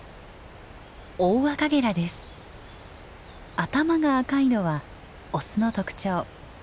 頭が赤いのはオスの特徴。